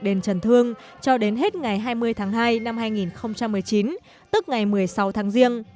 đền trần thương cho đến hết ngày hai mươi tháng hai năm hai nghìn một mươi chín tức ngày một mươi sáu tháng riêng